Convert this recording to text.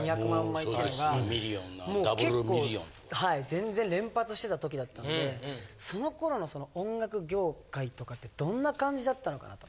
全然連発してた時だったんでその頃の音楽業界とかってどんな感じだったのかなと。